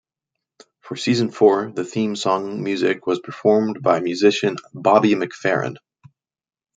For season four, the theme song music was performed by musician Bobby McFerrin.